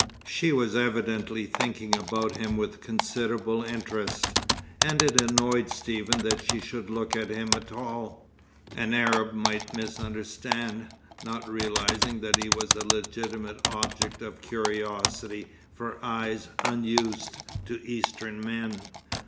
She was evidently thinking about him with considerable interest, and it annoyed Stephen that she should look at him at all. An Arab might misunderstand, not realizing that he was a legitimate object of curiosity for eyes unused to Eastern men.